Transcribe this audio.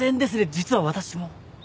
実は私も。